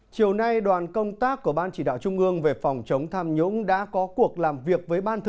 chiều nay đoàn công tác của ban chỉ đạo trung ương về phòng chống tham nhũng đã có cuộc làm việc với ban